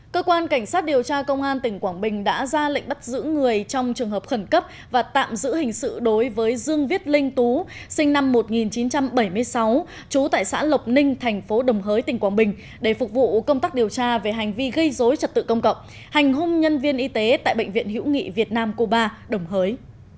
cơ quan cảnh sát điều tra công an tỉnh quảng bình đã ra lệnh bắt giữ người trong trường hợp khẩn cấp và tạm giữ hình sự đối với dương viết linh tú sinh năm một nghìn chín trăm bảy mươi sáu trú tại xã lộc ninh thành phố đồng hới tỉnh quảng bình để phục vụ công tác điều tra về hành vi gây dối trật tự công cộng hành hung nhân viên y tế tại bệnh viện hữu nghị việt nam cô ba đồng hới